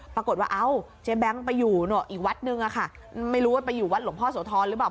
ปรากฏว่าเอ้าเจ๊แบงค์ไปอยู่อีกวัดนึงอะค่ะไม่รู้ว่าไปอยู่วัดหลวงพ่อโสธรหรือเปล่า